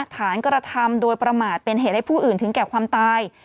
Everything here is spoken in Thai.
กระทำโดยประมาทเป็นเหตุให้ผู้อื่นถึงแก่ความตาย